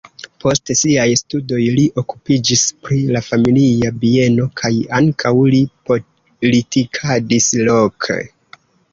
Post siaj studoj li okupiĝis pri la familia bieno kaj ankaŭ li politikadis loke.